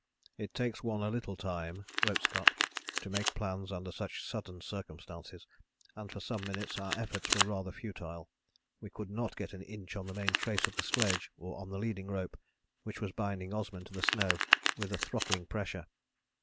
"It takes one a little time," wrote Scott, "to make plans under such sudden circumstances, and for some minutes our efforts were rather futile. We could not get an inch on the main trace of the sledge or on the leading rope, which was binding Osman to the snow with a throttling pressure.